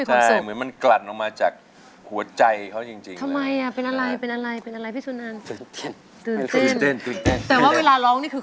ใช่มันกรัดออกมาจากหัวใจเขาจริงเลย